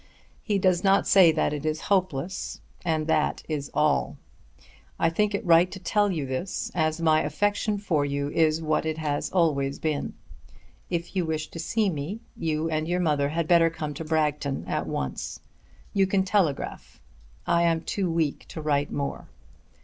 He does not say that it is hopeless, and that is all. I think it right to tell you this, as my affection for you is what it always has been. If you wish to see me, you and your mother had better come to Bragton at once. You can telegraph. I am too weak to write more.